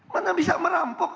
mana bisa merampok